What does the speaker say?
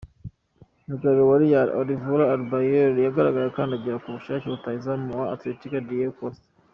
Myugariro wa Real, Álvaro Arbeloa yagaragaye akandagira ku bushake rutahizamu wa Atlético Diego Costa.